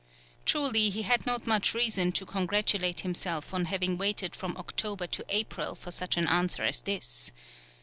Truly he had not much reason to congratulate himself on having waited from October to April for such an answer as this.